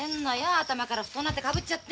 頭から布団なんてかぶっちゃって。